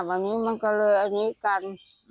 มันก็เลยอันนี้กัน